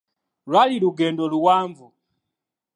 Lwali lugendo luwanvu.